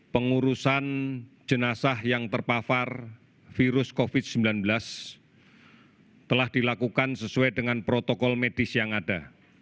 pengurusan jenazah yang terpapar virus covid sembilan belas telah dilakukan sesuai dengan protokol medis yang ada